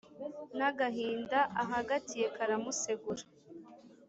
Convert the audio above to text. N'agahinda ahagatiye karamusegura